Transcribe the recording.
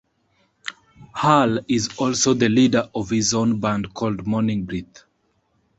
Hal is also the leader of his own band called "Morning Breath".